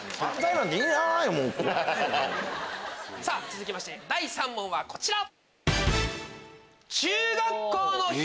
続きまして第３問はこちら！